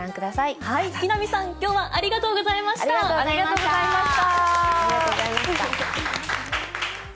木南さん、きょうはありがとありがとうございました。